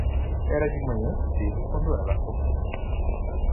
Era de manhã cedo quando ela acordou.